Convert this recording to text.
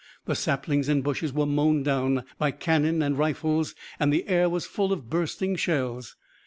The saplings and bushes were mown down by cannon and rifles and the air was full of bursting shells.